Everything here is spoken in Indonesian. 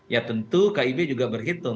ya tentu kib juga berhitung